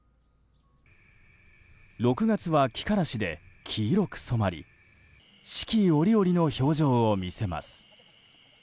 ６月はキカラシで黄色く染まり四季折々の表情を見せます。